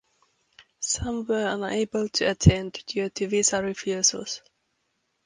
Some were unable to attend due to visa refusals.